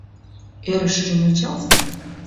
Ӧрышыжым ончалза.